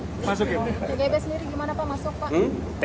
pgb sendiri gimana pak masuk pak